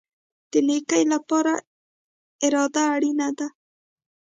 د نیکۍ لپاره اراده اړین ده